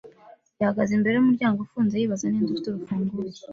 yahagaze imbere yumuryango ufunze yibaza ninde ufite urufunguzo.